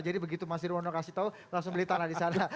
jadi begitu mas dirwono kasih tahu langsung beli tanah di sana